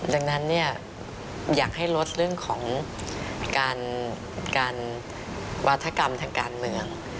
ดังนั้นอยากให้ลดเรื่องของการวาธกรรมทางการเมือง